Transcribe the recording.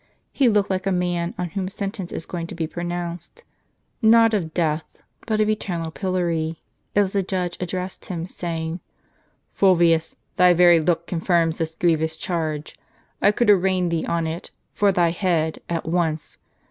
He looked like a man on whom sentence is going to be pro nounced,— not of death, but of eternal pilloiy, as the judge addressed him, saying :" Fulvius, thy very look confirms this grievous charge. I could arraign thee on it, for thy head, at once.